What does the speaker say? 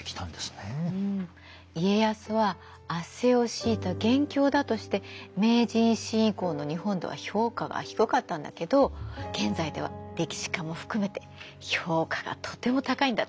家康は圧政を強いた元凶だとして明治維新以降の日本では評価が低かったんだけど現在では歴史家も含めて評価がとても高いんだって。